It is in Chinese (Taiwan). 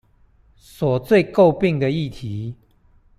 所最詬病的議題